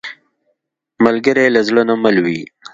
ملګری له زړه نه مل وي